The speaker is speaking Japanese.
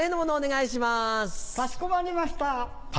かしこまりました。